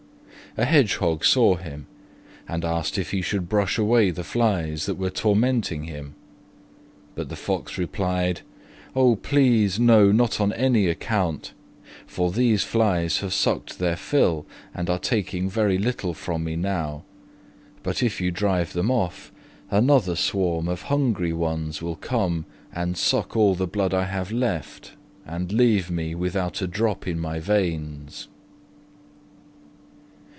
A Hedgehog saw him, and asked if he should brush away the flies that were tormenting him; but the Fox replied, "Oh, please, no, not on any account, for these flies have sucked their fill and are taking very little from me now; but, if you drive them off, another swarm of hungry ones will come and suck all the blood I have left, and leave me without a drop in my veins."